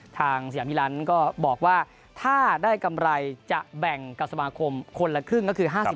สยามิลันก็บอกว่าถ้าได้กำไรจะแบ่งกับสมาคมคนละครึ่งก็คือ๕๐